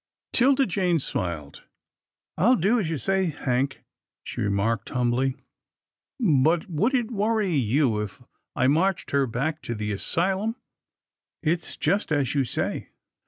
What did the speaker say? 'Tilda Jane smiled. " I'll do as you say, Hank," she remarked, humbly. " But would it worry you if I marched her back to the asylum? It's just as you say."